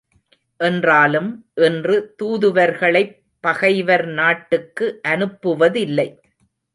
என்றாலும் இன்று தூதுவர்களைப் பகைவர் நாட்டுக்கு அனுப்புவதில்லை.